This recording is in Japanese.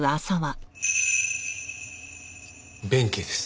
弁慶です。